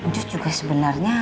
cus juga sebenarnya